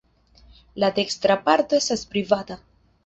La dekstra parto estas privata.